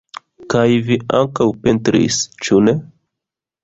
Kaj vi ankaŭ pentris, ĉu ne?